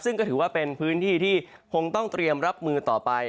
ซึ่งก็ถือว่าเป็นพื้นที่ที่คงต้องเตรียมรับมือต่อไป